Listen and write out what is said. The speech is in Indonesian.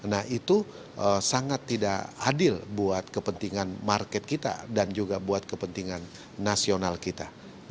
nah itu sangat tidak adil buat kepentingan market kita dan juga buat kepentingan nasional kita